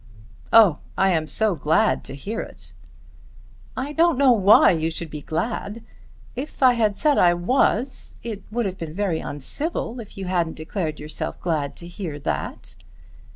"Oh! I am so glad to hear it." "I don't know why you should be glad. If I had said I was, it would have been very uncivil if you hadn't declared yourself glad to hear that."